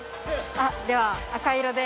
では赤色で。